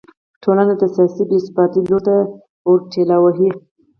ټولنه د سیاسي بې ثباتۍ لور ته ور ټېل وهي.